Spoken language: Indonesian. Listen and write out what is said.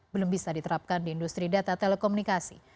belum bisa diterapkan di industri data telekomunikasi